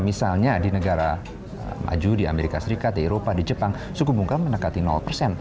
misalnya di negara maju di amerika serikat di eropa di jepang suku bunga mendekati persen